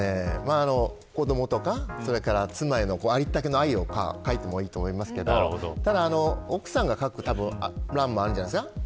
子どもとか、妻へのありったけの愛を書いてもいいと思いますけど奥さんが書く欄もあるじゃないですか。